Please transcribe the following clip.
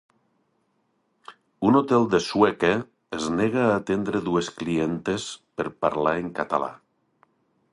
Un hotel de Sueca és nega a atendre dues clientes per parlar en català